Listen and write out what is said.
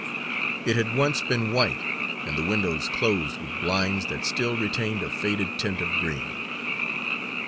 It had once been white, and the windows closed with blinds that still retained a faded tint of green.